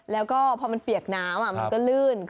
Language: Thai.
แล้วก็พอมันเปียกน้ำมันก็ลื่น